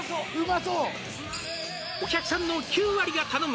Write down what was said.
そう「お客さんの９割が頼む」